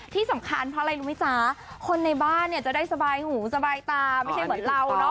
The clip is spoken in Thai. ที่สำคัญเพราะอะไรรู้ไหมจ๊ะคนในบ้านเนี่ยจะได้สบายหูสบายตาไม่ใช่เหมือนเราเนอะ